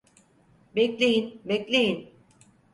Bekleyin, bekleyin!